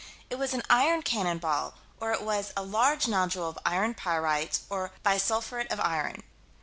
It was an iron cannon ball, or it was a "large nodule of iron pyrites or bisulphuret of iron."